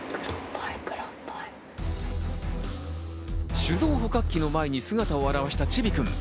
手動捕獲器の前に姿を現した、ちびくん。